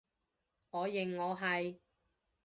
我認我係